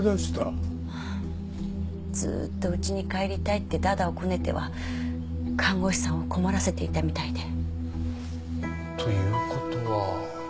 ずっと家に帰りたいって駄々をこねては看護師さんを困らせていたみたいで。という事は。